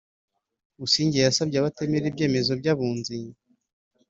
Busingye yasabye abatemera ibyemezo by’Abunzi